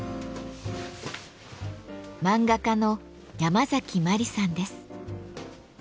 漫画家のヤマザキマリさんです。